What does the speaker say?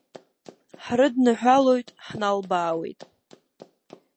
Ҳрыдныҳәалоит, ҳналбаауеит.